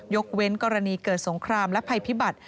กเว้นกรณีเกิดสงครามและภัยพิบัติ